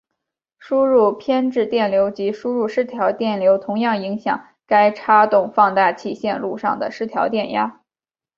输入偏置电流及输入失调电流同样影响该差动放大器线路上的失调电压。